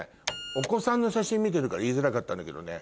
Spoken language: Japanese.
お子さんの写真見てるから言いづらかったんだけどね